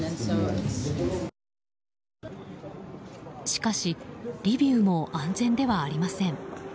しかし、リビウも安全ではありません。